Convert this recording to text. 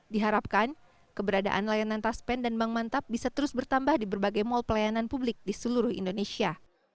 diharapkan keberadaan layanan taspen dan bank mantap bisa terus bertambah di berbagai mal pelayanan publik di seluruh indonesia